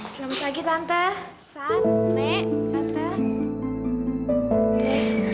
selamat pagi tante san ne tante